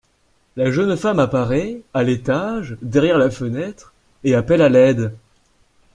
La jeune femme apparaît à l’étage derrière la fenêtre et appelle à l’aide.